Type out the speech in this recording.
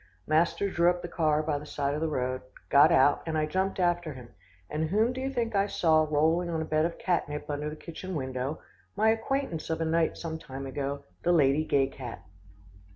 Master drew up the car by the side of the road, got out, and I jumped after him, and whom do you think I saw rolling on a bed of cat nip under the kitchen window my acquaintance of a night some time ago the Lady Gay cat.